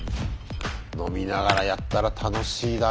飲みながらやったら楽しいだろうな。